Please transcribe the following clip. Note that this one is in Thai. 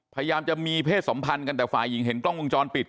พยายามจะมีเพศสัมพันธ์กันแต่ฝ่ายหญิงเห็นกล้องวงจรปิด